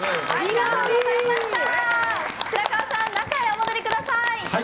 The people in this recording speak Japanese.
白川さん、中へお戻りください。